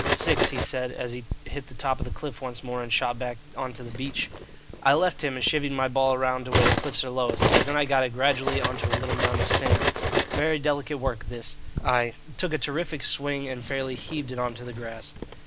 "Six," he said, as he hit the top of the cliff once more, and shot back on to the beach. I left him and chivied my ball round to where the cliffs are lowest; then I got it gradually on to a little mound of sand (very delicate work, this), took a terrific swing and fairly heaved it on to the grass.